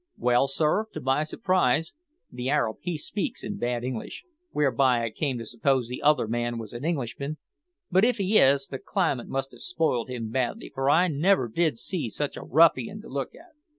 Well, sir, to my surprise, the Arab he speaks in bad English, whereby I came to suppose the other was an Englishman, but, if he is, the climate must have spoiled him badly, for I never did see such a ruffian to look at.